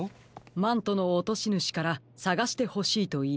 マントのおとしぬしからさがしてほしいといらいをうけているんです。